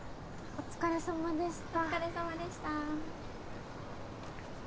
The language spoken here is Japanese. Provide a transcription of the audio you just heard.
お疲れさまでした